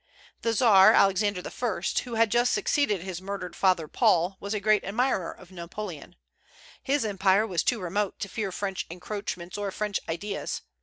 The Czar Alexander I., who had just succeeded his murdered father Paul, was a great admirer of Napoleon. His empire was too remote to fear French encroachments or French ideas.